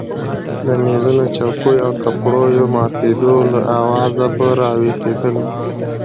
د مېزونو چوکیو او کپړیو د ماتېدو له آوازه به راویښېدلو.